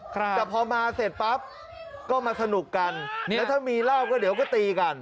แต่พอมาเสร็จปั๊บก็มาสนุกกันแล้วถ้ามีเหล้าก็เดี๋ยวก็ตีกัน